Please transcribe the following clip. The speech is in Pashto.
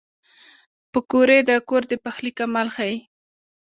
پکورې د کور د پخلي کمال ښيي